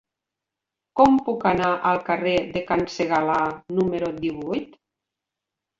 Com puc anar al carrer de Can Segalar número divuit?